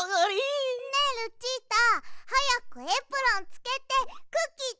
ねえルチータはやくエプロンつけてクッキーつくろう！